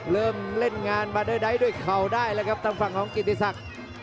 เริ่มเล่นงานบาเดอร์ไดด์ด้วยเขาได้เลยครับตามฝั่งของกินที่สัก